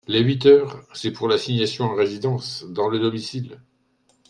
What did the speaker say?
Les huit heures, c’est pour l’assignation à résidence dans le domicile.